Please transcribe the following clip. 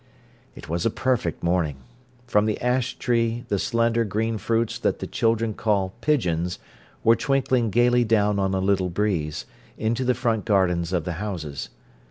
It was a perfect morning. From the ash tree the slender green fruits that the children call "pigeons" were twinkling gaily down on a little breeze, into the front gardens of the houses.